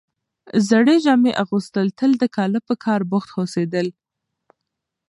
زړې جامې اغوستل تل د کاله په کار بوخت هوسېدل،